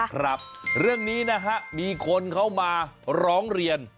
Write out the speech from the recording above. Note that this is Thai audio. ครับเรื่องนี้นะฮะมีคนเขามาร้องเรียน